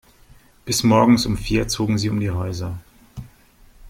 Bis morgens um vier zogen sie um die Häuser.